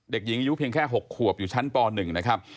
เด็กหญิงอายุเพียงแค่๖ขวบอยู่ชั้นป๑นะครับ